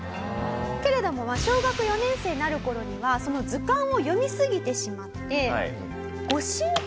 けれども小学４年生になる頃にはその図鑑を読みすぎてしまって。